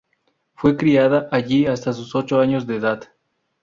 Fue criada allí hasta sus ocho años de edad.